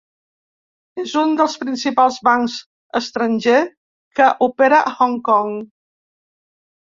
És un dels principals bancs estranger que opera a Hong Kong.